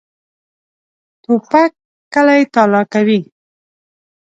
توپک کلی تالا کوي.